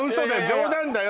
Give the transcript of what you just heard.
冗談だよ